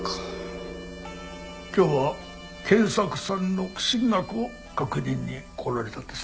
今日は賢作さんの寄進額を確認に来られたんですか？